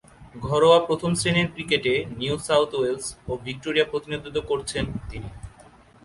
ঘরোয়া প্রথম-শ্রেণীর ক্রিকেটে নিউ সাউথ ওয়েলস ও ভিক্টোরিয়ার প্রতিনিধিত্ব করেছেন তিনি।